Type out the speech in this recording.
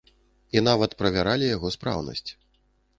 І нават правяралі яго спраўнасць.